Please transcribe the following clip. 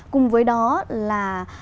cùng với đó là